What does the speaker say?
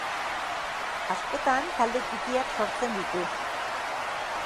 Askotan talde txikiak sortzen ditu.